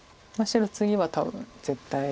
白次は多分絶対。